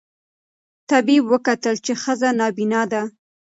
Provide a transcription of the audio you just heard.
طبیب وکتل چي ښځه نابینا ده